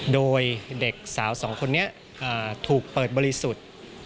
โดยเด็กสาวสองคนนี้ถูกเปิดบริสุทธิ์